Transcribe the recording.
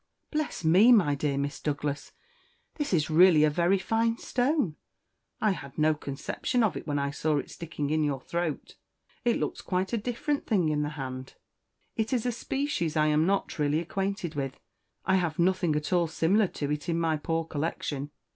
"Bless me, my dear Miss Douglas, this is really a very fine stone! I had no conception of it when I saw it sticking in your throat. It looks quite a different thing in the hand; it is a species I am really not acquainted with. I have nothing at all similar to it in my poor collection.